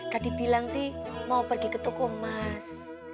kadi bilang sih mau pergi ke toko mas